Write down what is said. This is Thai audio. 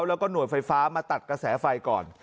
แล้วก็หน่วยไฟฟ้ามาตัดกระแสไฟก่อน